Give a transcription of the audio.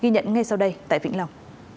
ghi nhận ngay sau đây tại vĩnh long